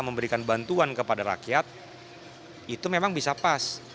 memberikan bantuan kepada rakyat itu memang bisa pas